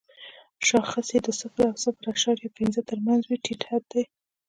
شاخص یې د صفر او صفر اعشاریه پنځه تر مینځ وي ټیټ حد دی.